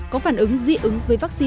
có phản ứng dị ứng với vaccine